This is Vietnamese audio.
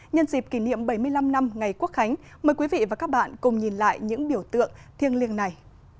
nhân dịp kỷ niệm bảy mươi năm năm ngày quốc khánh mời quý vị và các bạn cùng nhìn lại những biểu tượng thiêng liêng này